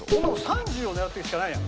３０を狙っていくしかないな。